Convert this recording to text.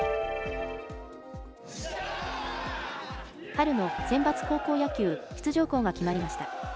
春のセンバツ高校野球出場校が決まりました。